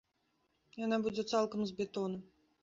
Яна будзе цалкам з бетону.